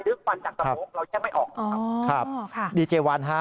หรือควันจากสโมกเราแจ้งไม่ออกครับอ๋อค่ะดีเจวันฮะ